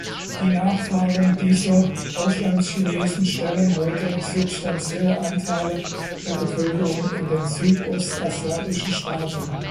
Die (Nachfahren dieser) Auslandschinesen stellen heute substantielle Anteile der Bevölkerungen in den südostasiatischen Staaten.